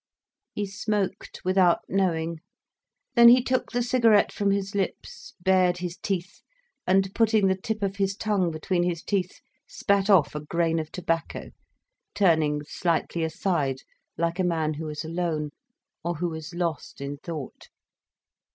He smoked without knowing. Then he took the cigarette from his lips, bared his teeth, and putting the tip of his tongue between his teeth spat off a grain of tobacco, turning slightly aside, like a man who is alone, or who is lost in thought.